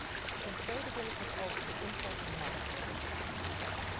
Ten tweede wil ik het over de interne markt hebben.